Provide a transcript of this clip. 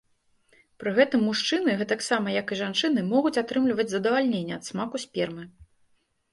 Пры гэтым мужчыны, гэтак таксама як і жанчыны, могуць атрымліваць задавальненне ад смаку спермы.